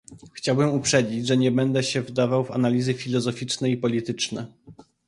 Chciałbym uprzedzić, że nie będę się wdawał w analizy filozoficzne i polityczne